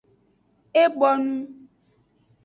E bonu.